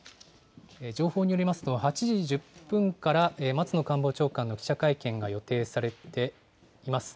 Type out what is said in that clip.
情報によりますと、８時１０分から松野官房長官の記者会見が予定されています。